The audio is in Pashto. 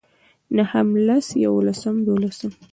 نهم لسم يولسم دولسم